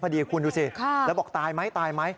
พอดีคุณดูสิแล้วบอกตายไหม